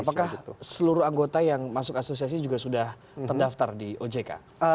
apakah seluruh anggota yang masuk asosiasi juga sudah terdaftar di ojk